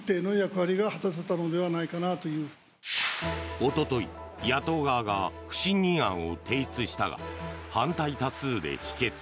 おととい、野党側が不信任案を提出したが反対多数で否決。